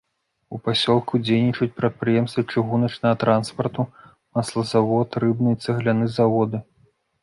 У пасёлку дзейнічаюць прадпрыемствы чыгуначнага транспарту, маслазавод, рыбны і цагляны заводы.